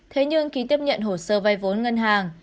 thế nhưng khi tiếp nhận hồ sơ vay vốn ngân hàng